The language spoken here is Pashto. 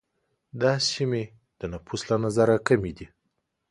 دا سیمې د نفوس له نظره کمي دي.